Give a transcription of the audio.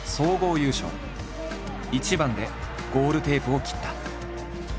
一番でゴールテープを切った。